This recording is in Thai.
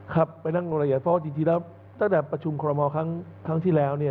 ครับไปนั่งลงรายละเอียดเพราะว่าจริงแล้วตั้งแต่ประชุมคอรมอลครั้งที่แล้วเนี่ย